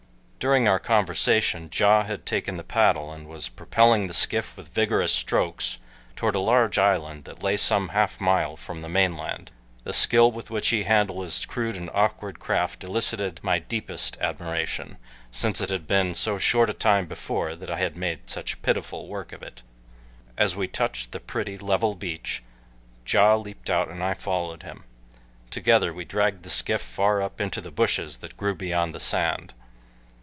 During our conversation Ja had taken the paddle and was propelling the skiff with vigorous strokes toward a large island that lay some half mile from the mainland. The skill with which he handled his crude and awkward craft elicited my deepest admiration, since it had been so short a time before that I had made such pitiful work of it. As we touched the pretty, level beach Ja leaped out and I followed him. Together we dragged the skiff far up into the bushes that grew beyond the sand.